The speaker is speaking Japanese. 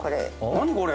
何これ？